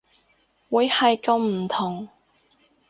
會係咁唔同